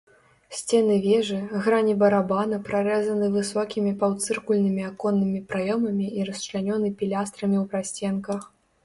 Сцены вежы, грані барабана прарэзаны высокімі паўцыркульнымі аконнымі праёмамі і расчлянёны пілястрамі ў прасценках.